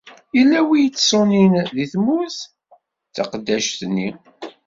Yella wi d-iṣunin deg tewwurt, d taqeddact-nni.